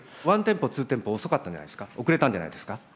ワンテンポ、ツーテンポ、遅かったんじゃないですか、遅れたんじゃないですか。